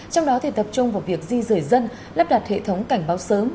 trong đó tập trung vào việc di rời dân lắp đặt hệ thống cảnh báo sớm